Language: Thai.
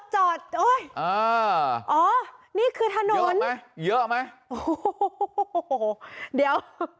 รถจอดอ๋อนี่คือถนนเยอะไหมเยอะไหมโอ้โหเดี๋ยว